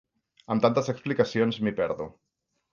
Amb tantes explicacions, m'hi perdo.